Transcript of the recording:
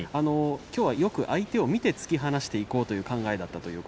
きょうは、よく相手を見て突き放していこうという考えでした。